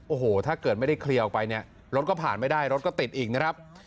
โอ้โหถ้าเกิดไม่ได้เคลียร์ออกไปเนี่ยรถก็ผ่านไม่ได้รถก็ติดอีกนะครับ